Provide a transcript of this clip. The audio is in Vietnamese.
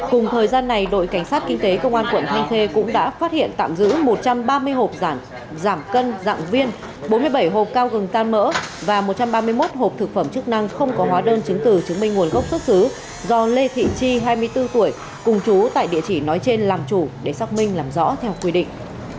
cùng thời gian này đội cảnh sát kinh tế công an quận thanh khê cũng đã phát hiện tạm giữ một trăm ba mươi hộp giảm cân dạng viên bốn mươi bảy hộp cao gừng tan mỡ và một trăm ba mươi một hộp thực phẩm chức năng không có hóa đơn chứng từ chứng minh nguồn gốc xuất xứ do lê thị tri hai mươi bốn tuổi cùng chú tại địa chỉ nói trên làm chủ để xác minh làm rõ theo quy định